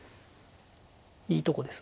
いいとこです